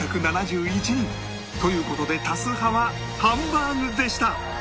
という事で多数派はハンバーグでした